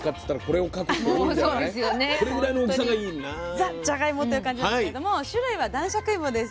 ザじゃがいもという感じなんですけれども種類は男爵いもです。